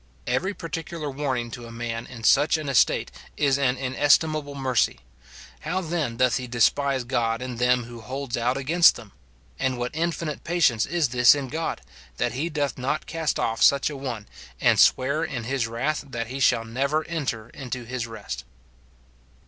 Every particular warning to a man in such an estate is an inestimable mercy ; how then doth he despise God in them who holds out against them ! And what infinite patience is this in God, that he doth not cast oflf such a one, and swear in his wrath that he shall never enter into his rest